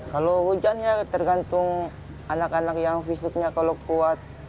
kalau hujan ya tergantung anak anak yang fisiknya kalau kuat